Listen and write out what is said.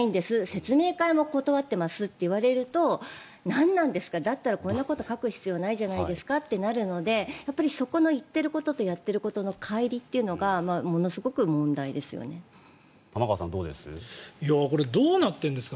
説明会も断ってますと言われると何なんですかだったら、こんなこと書く必要ないじゃないですかってなるのでそこの言ってることとやってることのかい離というのが玉川さん、どうです？